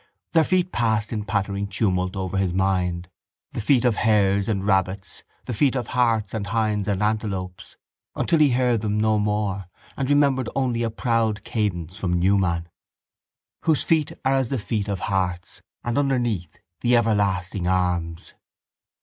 Their feet passed in pattering tumult over his mind, the feet of hares and rabbits, the feet of harts and hinds and antelopes, until he heard them no more and remembered only a proud cadence from Newman: —Whose feet are as the feet of harts and underneath the everlasting arms.